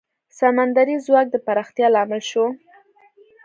سمندري ځواک د پراختیا لامل شو.